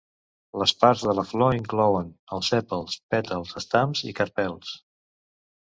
Les parts de la flor inclouen els sèpals, pètals, estams i carpels.